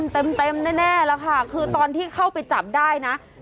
เต็มแน่แล้วค่ะคือตอนที่เข้าไปจับได้นะ